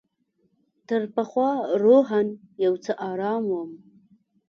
تر پخوا روحاً یو څه آرام وم.